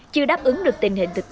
chưa đáp ứng được tình hình thực tế